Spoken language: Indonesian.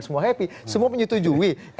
semua happy semua menyetujui